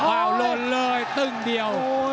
วาวลนเลยตึ้งเดียว